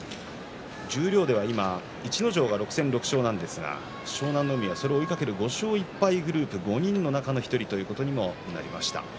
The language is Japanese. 十両では今、逸ノ城が６戦６勝ですが湘南乃海はそれを追いかける５勝１敗グループ５人の中の１人です。